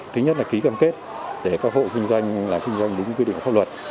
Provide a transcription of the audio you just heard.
thứ nhất là ký cam kết để các hộ kinh doanh là kinh doanh đúng quy định pháp luật